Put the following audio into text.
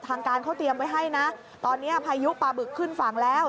ทางการเขาเตรียมไว้ให้นะตอนนี้พายุปลาบึกขึ้นฝั่งแล้ว